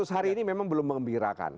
seratus hari ini memang belum mengembirakan